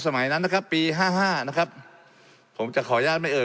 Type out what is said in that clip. สมัยนั้นนะครับปีห้าห้านะครับผมจะขออนุญาตไม่เอ่